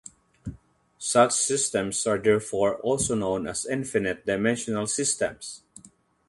Such systems are therefore also known as infinite-dimensional systems.